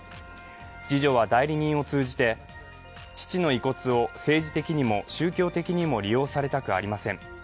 次女は代理人を通じて、父の遺骨を政治的にも宗教的にも利用されたくありません。